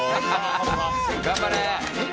頑張れー！